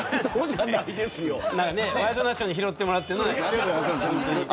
ワイドナショーに拾ってもらって。